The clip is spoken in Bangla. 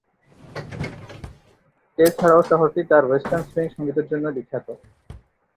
এছাড়াও শহরটি তার ওয়েস্টার্ন সুইং সঙ্গীতের জন্যও বিখ্যাত।